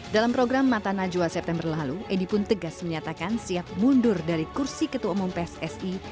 dalam program mata najwa september lalu edi pun tegas menyatakan siap mundur dari kursi ketua umum pssi